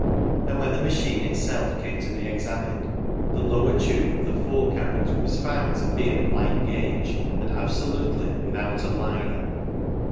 And when the machine itself came to be examined, the lower tube of the forecarriage was found to be of light gauge and absolutely without a liner.